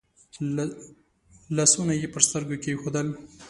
لاسونه يې پر سترګو کېښودل.